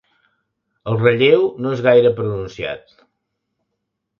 El relleu no és gaire pronunciat.